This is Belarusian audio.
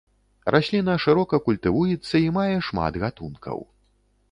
Расліна шырока культывуецца і мае шмат гатункаў.